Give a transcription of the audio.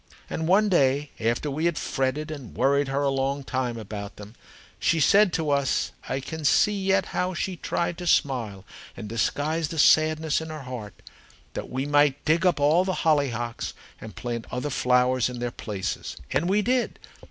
And one day, after we had fretted and worried her a long time about them, she said to us I can see yet how she tried to smile and disguise the sadness in her heart that we might dig up all the hollyhocks and plant other flowers in their places. And we did.